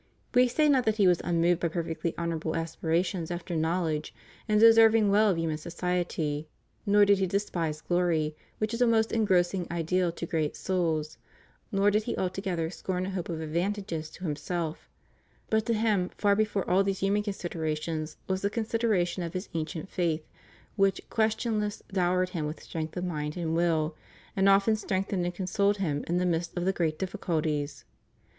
We say not that he was umnoved by perfectly honorable aspirations after knowledge, and deserving well of human society; nor did he despise glory, which is a most engrossing ideal to great souls ; nor did he altogether scorn a hope of advantages to himself; but to him far before all these human considerations was the considera tion of his ancient faith, which questionless dowered him with strength of mind and will, and often strengthened and consoled him in the midst of the greatest difficulties.